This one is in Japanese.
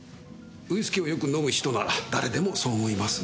ウイスキーをよく飲む人なら誰でもそう思います。